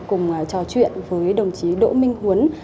cùng trò chuyện với đồng chí đỗ minh huấn